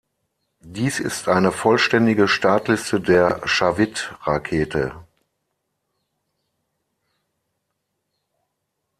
Dies ist eine vollständige Startliste der Shavit-Rakete.